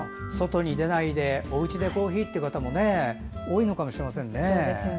外に出ないでおうちでコーヒーという方も多いのかもしれませんね。